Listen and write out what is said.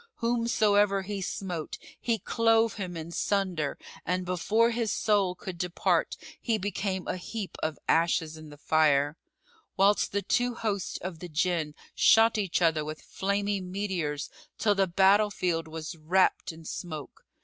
Whomsoever he smote, he clove him in sunder and before his soul could depart he became a heap of ashes in the fire; whilst the two hosts of the Jinn shot each other with flamy meteors till the battle field was wrapped in smoke.